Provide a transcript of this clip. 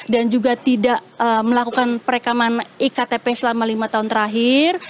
dan juga tidak melakukan perekaman iktp selama lima tahun terakhir